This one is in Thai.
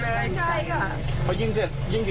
ไม่เสี่ยงเลยครับ